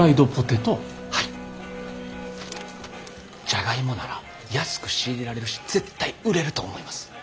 ジャガイモなら安く仕入れられるし絶対売れると思います。